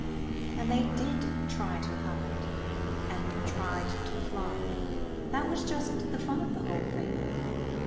And they did try to hide, and tried to fly: that was just the fun of the whole thing.